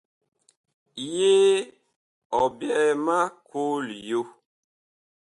Yee ɔ byɛɛ ma koo liyo ?